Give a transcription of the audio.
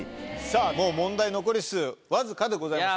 さぁもう問題残り数わずかでございます。